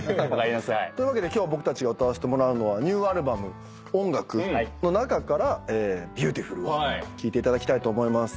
というわけで今日僕たちが歌わせてもらうのはニューアルバム『音楽』の中から『ビューティフル』を聴いていただきたいと思います。